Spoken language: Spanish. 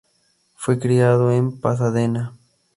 Fue criado en Pasadena.